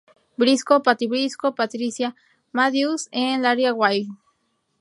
Brisco, Patty Brisco, Patricia Matthews and Laura Wylie.